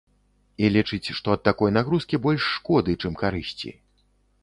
І лічыць, што ад такой нагрузкі больш шкоды, чым карысці.